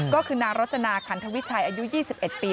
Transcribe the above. ก็คือนางรจนาขันทวิชัยอายุ๒๑ปี